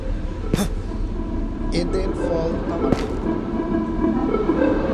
এদের ফল তামাটে।